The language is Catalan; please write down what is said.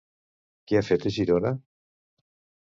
Què ha fet a Girona?